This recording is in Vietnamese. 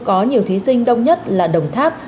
có nhiều thí sinh đông nhất là đồng tháp